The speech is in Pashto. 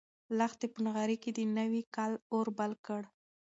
لښتې په نغري کې د نوي کال اور بل کړ.